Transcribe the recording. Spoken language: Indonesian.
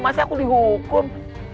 masih aku dihukum